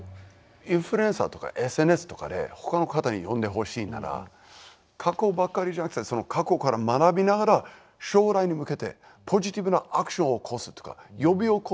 インフルエンサーとかＳＮＳとかでほかの方に読んでほしいなら過去ばかりじゃなくてその過去から学びながら将来に向けてポジティブなアクションを起こすとか呼び起こす。